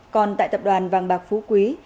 còn tại tập đoàn vàng bạc phú quý